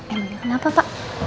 emangnya kenapa pak